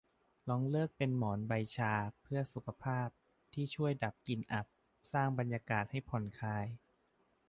ลองเลือกเป็นหมอนใบชาเพื่อสุขภาพ ที่ช่วยดับกลิ่นอับ สร้างบรรยากาศให้ผ่อนคลาย